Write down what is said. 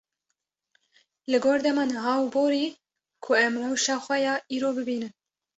li gor dema niha û borî ku em rewşa xwe ya îro bibînin.